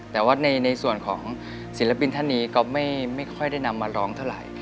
แต่ว่าในส่วนของศิลปินท่านนี้ก็ไม่ค่อยได้นำมาร้องเท่าไหร่